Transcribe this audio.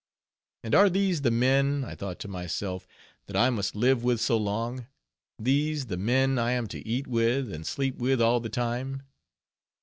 And are these the men, I thought to myself, that I must live with so long? these the men I am to eat with, and sleep with all the time?